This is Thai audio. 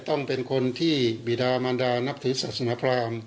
ต้องเป็นคนที่บิดามันดานับถือศาสนพราม